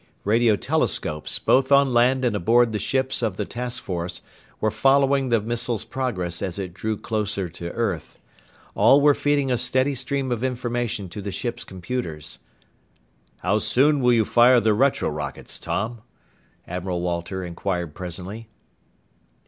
Radio telescopes, both on land and aboard the ships of the task force, were following the missile's progress as it drew closer to earth. All were feeding a steady stream of information to the ships' computers. "How soon will you fire the retro rockets, Tom?" Admiral Walter inquired presently.